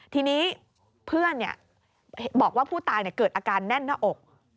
ทีนี้เพื่อนบอกว่าผู้ตายเกิดอาการแน่นหน้าอก